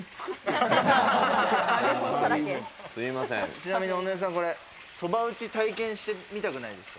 ちなみに尾上さん、そば打ち体験してみたくないですか？